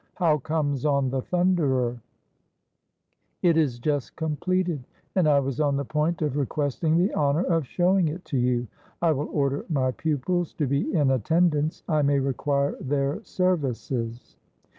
How comes on ' The Thunderer '?" "It is just completed, and I was on the point of re questing the honor of showing it to you. I will order my pupils to be in attendance; I may require their services."